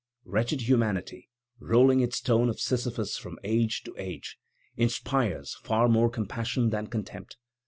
Wretched humanity, rolling its stone of Sisyphus from age to age, inspires far more compassion than contempt.